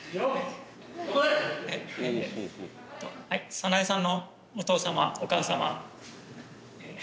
早苗さんのお父様お母様